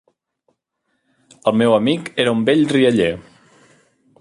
El meu amic era un vell rialler.